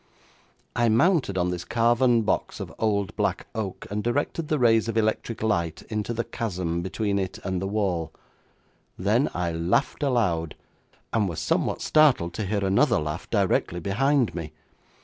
I mounted on this carven box of old black oak and directed the rays of electric light into the chasm between it and the wall. Then I laughed aloud, and was somewhat startled to hear another laugh directly behind me.